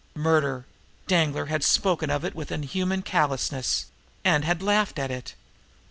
Murder. Danglar had spoken of it with inhuman callousness and had laughed at it.